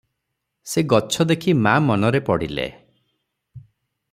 ସେ ଗଛ ଦେଖି ମା’ ମନରେ ପଡ଼ିଲେ ।